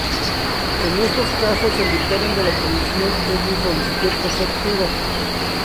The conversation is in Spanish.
En estos casos, el dictamen de la Comisión es de solicitud preceptiva.